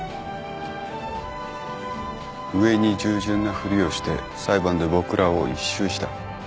上に従順なふりをして裁判で僕らを一蹴した。